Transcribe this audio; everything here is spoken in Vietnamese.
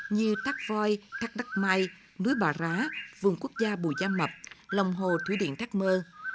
như thác voi thác đắc mai núi bà rá vùng quốc gia bùi da mập lồng hồ thủy điện thác mơ